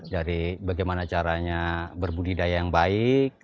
dari bagaimana caranya berbudidaya yang baik